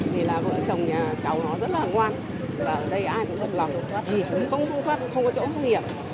vợ chồng nhà cháu nó rất là ngoan ở đây ai cũng thân lòng không có chỗ không hiểu